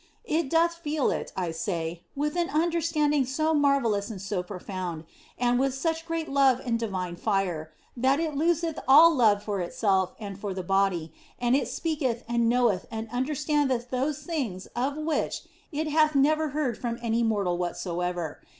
It doth feel it, I say, with an understanding so marvellous and so profound, and with such great love and divine fire, that it loseth all love for itself and for the body, and it speaketh and knoweth and understandeth those things of the which it hath never heard from any mortal whatso ever.